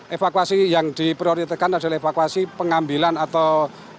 evakuasi yang diprioritakan adalah evakuasi pengambilan atau besi besi yang diangkut oleh